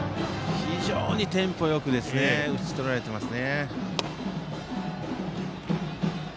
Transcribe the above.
非常にテンポよく打ち取られていますね。